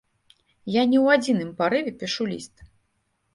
Я не ў адзіным парыве пішу ліст.